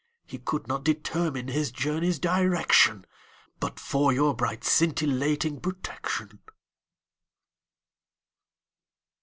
He could not determine his journey's direction But for your bright scintillating protection.